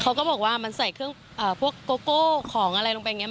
เขาก็บอกว่ามันใส่เครื่องพวกโกโก้ของอะไรลงไปอย่างนี้